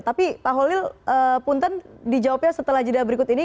nah punten dijawabnya setelah jeda berikut ini